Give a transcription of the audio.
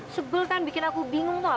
sebel kan bikin aku bingung tuhan